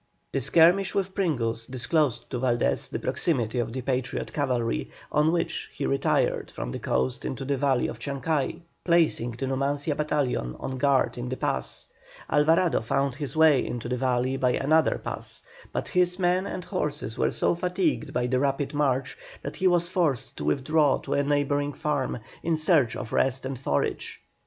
The skirmish with Pringles disclosed to Valdés the proximity of the Patriot cavalry, on which he retired from the coast into the valley of Chancay, placing the Numancia battalion on guard in the pass. Alvarado found his way into the valley by another pass; but his men and horses were so fatigued by the rapid march that he was forced to withdraw to a neighbouring farm in search of rest and forage.